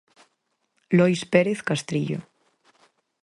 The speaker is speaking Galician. Lois Pérez Castrillo.